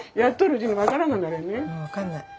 うん分かんない。